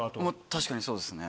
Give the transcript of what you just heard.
確かにそうですね。